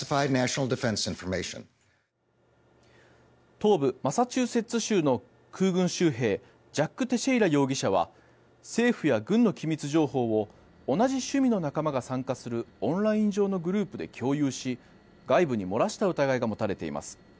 東部マサチューセッツ州の空軍州兵ジャック・テシェイラ容疑者は政府や軍の機密情報を同じ趣味の仲間が参加するオンライン上のグループで共有し外部に漏らした疑いが持たれています。